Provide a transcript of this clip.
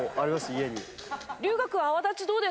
家に。